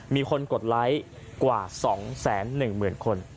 มีคนกดไลค์กว่า๒แสน๑เหมือนคน